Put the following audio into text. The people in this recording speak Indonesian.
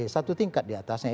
satu tingkat diatasnya